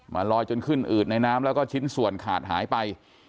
ลอยจนขึ้นอืดในน้ำแล้วก็ชิ้นส่วนขาดหายไป